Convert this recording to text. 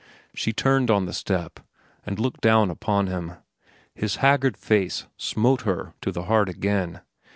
She turned on the step and looked down upon him. His haggard face smote her to the heart again.